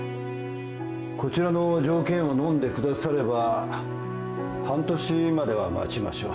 こちらの条件をのんでくだされば半年までは待ちましょう。